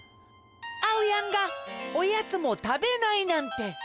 あおやんがおやつもたべないなんて。